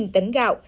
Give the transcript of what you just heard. chín tấn gạo